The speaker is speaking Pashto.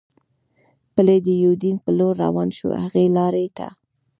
پلي د یوډین په لور روان شو، هغې لارې ته.